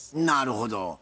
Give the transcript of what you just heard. なるほど。